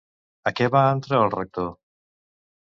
A què va entrar el Rector?